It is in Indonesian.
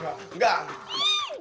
jangan jangan jangan